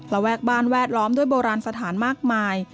แวกบ้านแวดล้อมด้วยโบราณสถานมากมาย